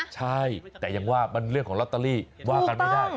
ใช่แต่ยังว่ามันเรื่องของลอตเตอรี่ว่ากันไม่ได้